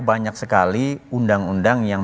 banyak sekali undang undang yang